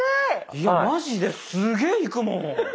いやマジですげえいくもん。